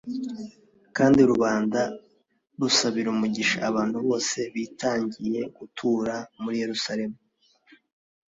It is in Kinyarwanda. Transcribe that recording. kandi rubanda rusabira umugisha abantu bose bitangiye gutura muri yerusalemu